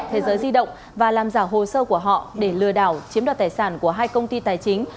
thế giới di động và làm giả hồ sơ của họ để lừa đảo chiếm đoạt tài sản của hai công ty tài chính